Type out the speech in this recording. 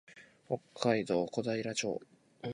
北海道小平町